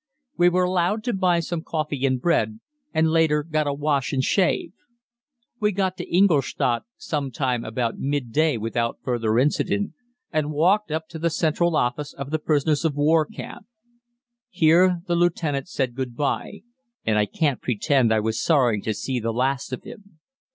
We were allowed to buy some coffee and bread, and later got a wash and shave. We got to Ingolstadt some time about midday without further incident, and walked up to the central office of the prisoners of war camp. Here the lieutenant said good bye, and I can't pretend I was sorry to see the last of him.